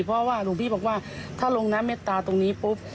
เพราะว่าหลวงพี่บอกว่าถ้าลงน้ำเมตตาตรงนี้ปุ๊บ